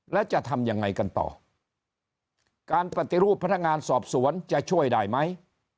แล้วจะทำยังไงกันต่อการปฏิรูปพนักงานสอบสวนจะช่วยได้ไหม